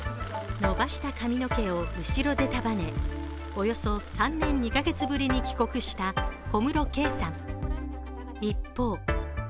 伸ばした髪の毛を後ろで束ね、およそ３年２カ月ぶりに帰国した小室圭さん。